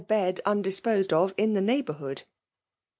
bedun*^ disposed of in the neighbourhood.